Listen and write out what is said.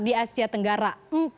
di asia tenggara